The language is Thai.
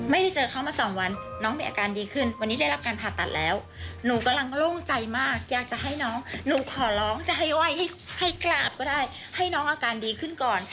ไม่ได้เจอเขามาสองวันน้องมีอาการดีขึ้นวันนี้ได้รับการผ่าตัดแล้วหนูกำลังโล่งใจมากอยากจะให้น้องหนูขอร้องจะให้ไหว้ให้กราบก็ได้ให้น้องอาการดีขึ้นก่อน